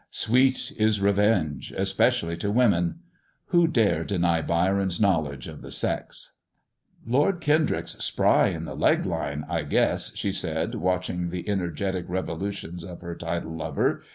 " Sweet is revenge, especially to women." Who dare deny Byron's knowledge of the sex) "Lord Kendrick's spry in the leg line, I guess," she said, watching the energetic revolutions of her titled lover.